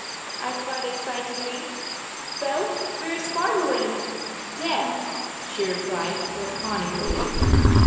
I cried excitedly. "Well, where's Barberin?" "Dead," she replied, laconically.